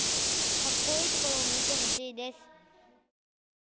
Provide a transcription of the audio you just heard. かっこいいところを見てほしいです。